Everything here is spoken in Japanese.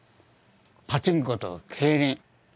パチンコと競輪。